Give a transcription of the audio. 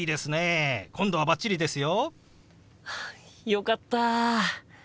よかった。